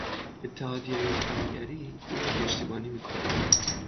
اتحادیههای کارگری او را پشتیبانی میکنند.